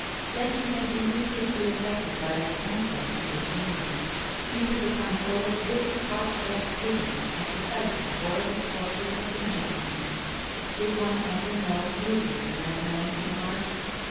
Then he had been grievously affected by that bankruptcy of genius; he had become full of bitter, heartfelt pity at the sight of the horrible torture of impotency. Did one ever know who was the madman in art?